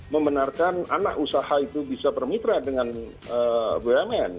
membenarkan anak usaha itu bisa bermitra dengan bumn